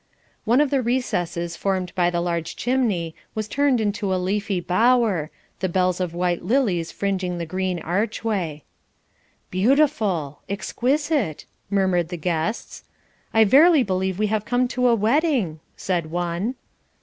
One of the recesses formed by the large chimney was turned into a leafy bower, the bells of white lilies fringing the green archway. "Beautiful!" "Exquisite!" murmured the guests. "I verily believe we have come to a wedding," said one.